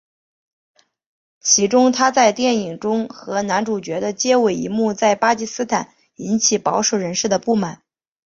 其中她在电影中和男主角的接吻一幕在巴基斯坦引起保守人士的不满。